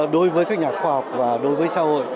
đối với các nhà khoa học và đối với xã hội